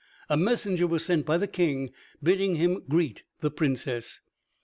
A messenger was sent by the King bidding him greet the Princess.